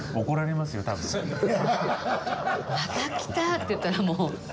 「また来た」って言ったらもう。